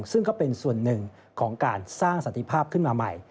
ซึ่งก็เป็นส่วนหนึ่งของการสร้างสันติภาพขึ้นมาใหม่